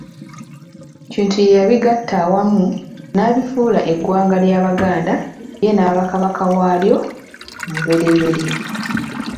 Kintu ye yabigatta awamu n'abifuula eggwanga ly'Abaganda ye n'aba Kabaka waalyo omubereberye.